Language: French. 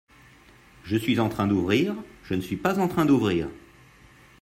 Je suis en train d'ouvrir, je ne suis pas en train d'ouvrir.